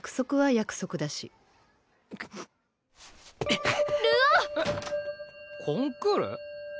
えっコンクール？